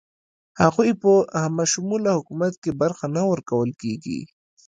هغوی په همه شموله حکومت کې برخه نه ورکول کیږي.